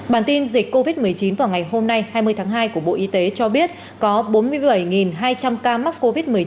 bản tin dịch covid một mươi chín vào ngày hôm nay hai mươi tháng hai của bộ y tế cho biết có bốn mươi bảy hai trăm linh ca mắc covid một mươi chín